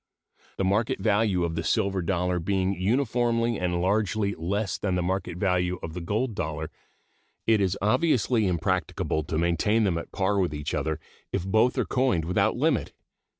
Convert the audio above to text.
The market value of the silver dollar being uniformly and largely less than the market value of the gold dollar, it is obviously impracticable to maintain them at par with each other if both are coined without limit.